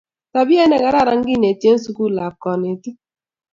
tabiait nekararan keneti en suku ak konetik